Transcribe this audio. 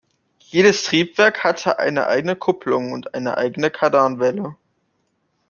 Jedes Triebwerk hatte eine eigene Kupplung und eine eigene Kardanwelle.